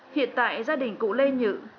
hiện tại gia đình cụ lê nhự